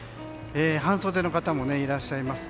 半袖の方もいらっしゃいます。